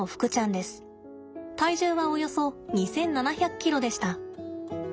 体重はおよそ２，７００ｋｇでした。